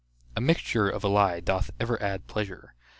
A mixture of a lie doth ever add pleasure.